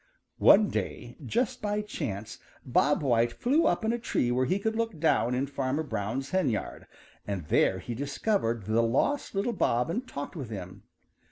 = |ONE day just by chance Bob White flew up in a tree where he could look down in Fanner Brown's henyard, and there he discovered the lost little Bob and talked with him.